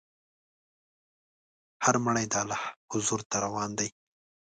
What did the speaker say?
هر مړی د الله حضور ته روان دی.